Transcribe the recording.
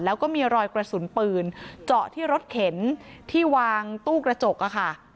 แล้วก็มีรอยกระสุนปืนเจาะที่รถเข็นที่วางตู้กระจกอะค่ะ